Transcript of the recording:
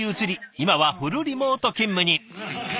今はフルリモート勤務に。